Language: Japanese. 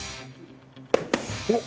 おっ。